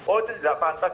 oh itu tidak pantas